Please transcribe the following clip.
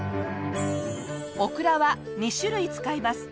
オクラは２種類使います。